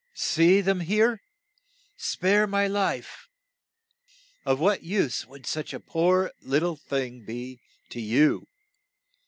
See, them there ! Spare my life ! Of what use would such a poor lit tle thing be to you?